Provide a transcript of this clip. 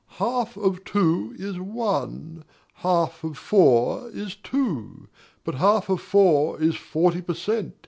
Half of two is one, Half of four is two, But half of four is forty per cent.